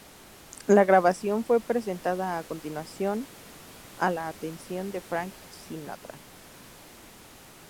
La grabación fue presentada a continuación, a la atención de Frank Sinatra.